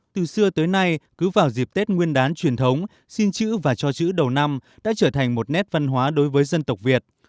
từ xưa tới nay cứ vào dịp tết nguyên đán truyền thống xin chữ và cho chữ đầu năm đã trở thành một nét văn hóa đối với dân tộc việt